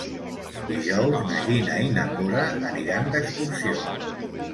Dijous na Gina i na Cora aniran d'excursió.